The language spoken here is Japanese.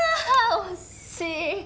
惜しい！